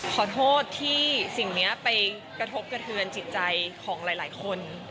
ขอโทษที่สิ่งนี้ไปกระทบกระเทือนจิตใจของหลายคน